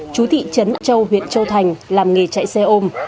chú thị trấn châu huyện châu thành làm nghề chạy xe ôm